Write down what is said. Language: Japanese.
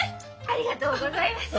ありがとうございます。